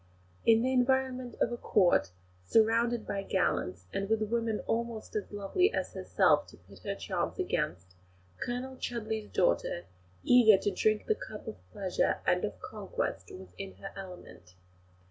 In the environment of a Court, surrounded by gallants, and with women almost as lovely as herself to pit her charms against, Colonel Chudleigh's daughter, eager to drink the cup of pleasure and of conquest, was in her element.